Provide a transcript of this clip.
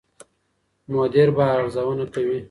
مدیر به ارزونه کوي.